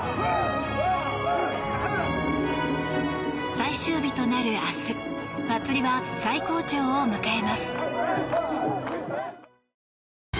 最終日となる明日祭りは最高潮を迎えます。